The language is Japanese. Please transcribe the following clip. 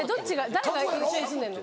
誰が一緒に住んでんの？